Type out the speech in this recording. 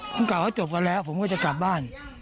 พูดถ่าพอจบกันแล้วผมก็จะกลับบ้าน